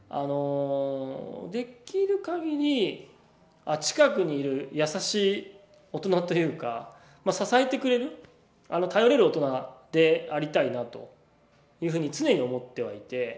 できる限り近くにいる優しい大人というか支えてくれる頼れる大人でありたいなというふうに常に思ってはいて。